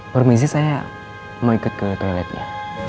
permisi saya mau ikut ke toiletnya